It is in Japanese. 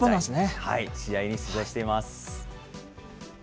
試合に出場しています。